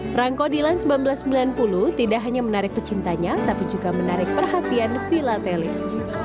perangko dilan seribu sembilan ratus sembilan puluh tidak hanya menarik pecintanya tapi juga menarik perhatian vilatelis